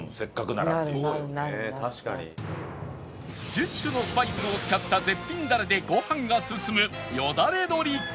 １０種のスパイスを使った絶品ダレでご飯が進むよだれ鶏か？